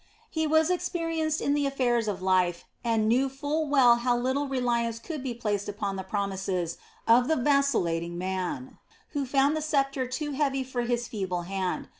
He was experienced in the affairs of life and knew full well how little reliance could be placed upon the promises of the vacillating man, who found the sceptre too heavy for his feeble hand.